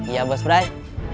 iya bos brai